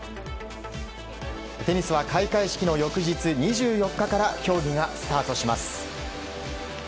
テニスは開会式の翌日２４日から競技がスタートします。